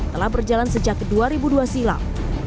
telah berjalan sejak dua ribu dua silam